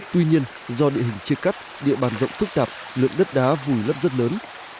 tuy nhiên do địa hình chia cắt địa bàn rộng phức tạp lượng đất đá vùi lấp rất lớn